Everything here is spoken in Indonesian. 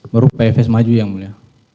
berupa efes maju yang mulia